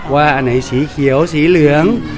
อันไหนสีเขียวสีเหลือง